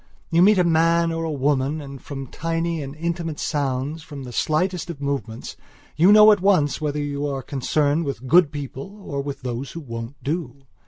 You meet a man or a woman and, from tiny and intimate sounds, from the slightest of movements, you know at once whether you are concerned with good people or with those who won't do.